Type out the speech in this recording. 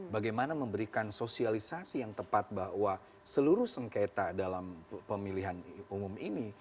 bagaimana memberikan sosialisasi yang tepat bahwa seluruh sengketa dalam pemilihan umum ini